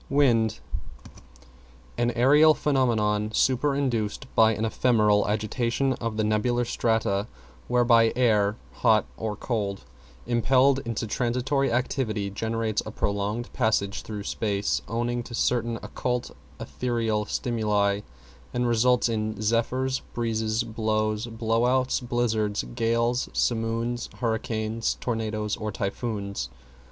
=WIND= An aerial phenomenon, superinduced by an ephemeral agitation of the nebular strata, whereby air, (hot or cold), impelled into transitory activity, generates a prolonged passage through space, owing to certain occult ethereal stimuli, and results in zephyrs, breezes, blows, blow outs, blizzards, gales, simoons, hurricanes, tornadoes or typhoons.